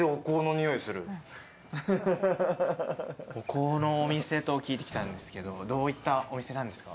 お香のお店と聞いてきたんですけどどういったお店なんですか？